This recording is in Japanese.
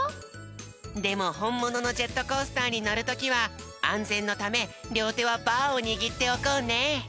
でもほんもののジェットコースターにのるときはあんぜんのためりょうてはバーをにぎっておこうね。